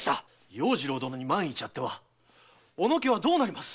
要次郎殿に万一あっては小野家はどうなります？